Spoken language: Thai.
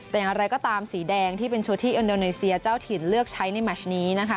แต่อย่างไรก็ตามสีแดงที่เป็นโชว์ที่อินโดนีเซียเจ้าถิ่นเลือกใช้ในแมชนี้นะคะ